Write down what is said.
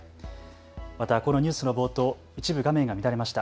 またこのニュースの冒頭、一部画面が乱れました。